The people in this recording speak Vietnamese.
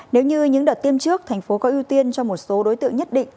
nếu như những đợt tiêm trước tp hcm có ưu tiên cho một số đối tượng nhất định